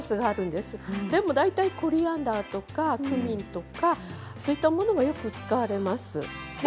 でも大体コリアンダーとかクミンとかそういったものをよく使われます。